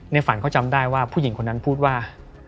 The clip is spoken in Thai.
ฝันเขาจำได้ว่าผู้หญิงคนนั้นพูดว่า